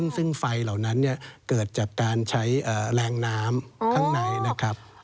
ซึ่งไฟเหล่านั้นเกิดจากการใช้แรงน้ำข้างในนะครับ